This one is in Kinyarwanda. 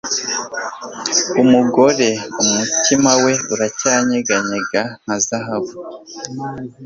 umugore umutima we uracyanyeganyega nka zahabu